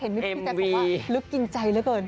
เห็นไหมพี่แจ็คบอกว่าลึกกินใจแล้วเกิน